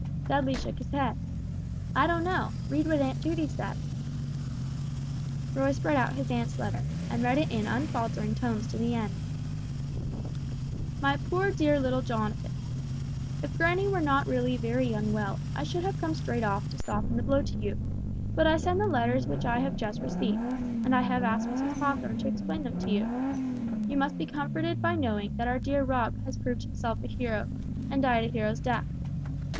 Dudley shook his head. "I don't know, read what Aunt Judy says." Roy spread out his aunt's letter, and read it in unfaltering tones to the end. "MY POOR DEAR LITTLE JONATHAN: "If granny were not really very unwell I should have come straight off to soften the blow to you, but I send the letters which I have just received, and I have asked Mrs. Hawthorn to explain them to you. You must be comforted by knowing that our dear Rob has proved himself a hero and died a hero's death.